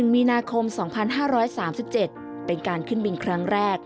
มีนาคม๒๕๓๗เป็นการขึ้นบินครั้งแรก